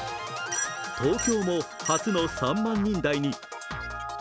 東京も初の３万人台に。